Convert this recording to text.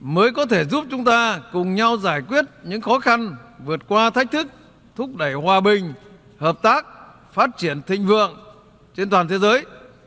mới có thể giúp chúng ta cùng nhau giải quyết những khó khăn vượt qua thách thức thúc đẩy hòa bình hợp tác phát triển thịnh vượng trên toàn thế giới